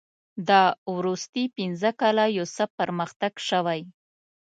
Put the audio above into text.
دا وروستي پنځه کلونه یو څه پرمختګ شوی.